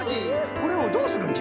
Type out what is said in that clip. これをどうするんじゃ？